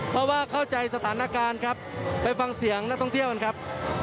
เพราะว่าเข้าใจสถานการณ์ครับไปฟังเสียงนักท่องเที่ยวกันครับ